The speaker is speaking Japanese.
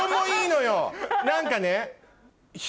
何かね。